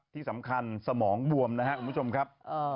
ที่สำคัญสมองบวมนะครับคุณผู้ชมครับ